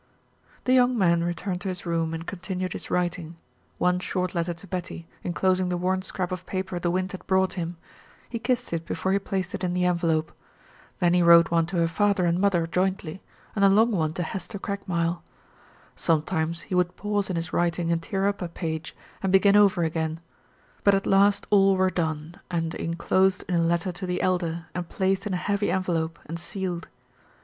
The young man returned to his room and continued his writing. One short letter to Betty, inclosing the worn scrap of paper the wind had brought him; he kissed it before he placed it in the envelope. Then he wrote one to her father and mother jointly, and a long one to Hester Craigmile. Sometimes he would pause in his writing and tear up a page, and begin over again, but at last all were done and inclosed in a letter to the Elder and placed in a heavy envelope and sealed.